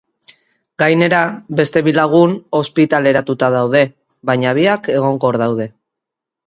Gainera, beste bi lagun ospitaleratuta daude, baina biak egonkor daude.